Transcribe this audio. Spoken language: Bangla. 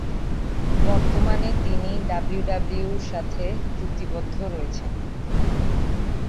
বর্তমানে তিনি ডাব্লিউডাব্লিউইর সাথে চুক্তিবদ্ধ রয়েছেন।